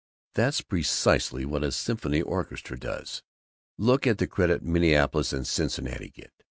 That's precisely what a Symphony Orchestra does do. Look at the credit Minneapolis and Cincinnati get.